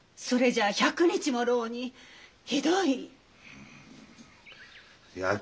それじゃあ１００日も牢にひどい。